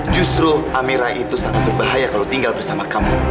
justru amera itu sangat berbahaya kalau tinggal bersama kamu